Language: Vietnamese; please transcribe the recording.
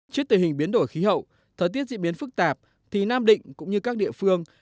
trước tình hình biến đổi khí hậu thời tiết diễn biến phức tạp thì nam định cũng như các địa phương